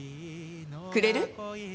くれる？